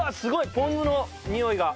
ポン酢のにおいが。